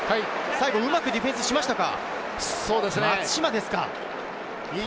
最後うまくディフェンスしましたか？